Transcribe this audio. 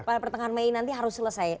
pada pertengahan mei nanti harus selesai